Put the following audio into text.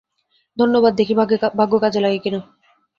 ধন্যবাদ, দেখি ভাগ্য কাজে লাগে কিনা।